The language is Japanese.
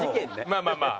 まあまあまあ。